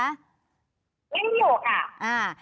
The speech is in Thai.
ไม่ได้อยู่ค่ะ